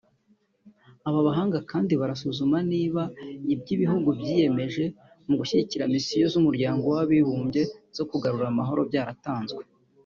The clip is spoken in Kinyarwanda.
Aba bahanga kandi barasuzuma niba ibyo ibihugu byiyemeje mu gushyigikira Misiyo z’umuryango wabibumbye zo kugarura amahoro byaratanzwe